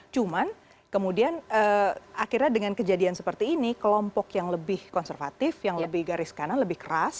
cuman kemudian akhirnya dengan kejadian seperti ini kelompok yang lebih konservatif yang lebih garis kanan lebih keras